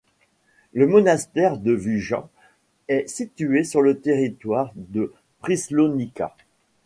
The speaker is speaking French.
Le monastère de Vujan est situé sur le territoire de Prislonica.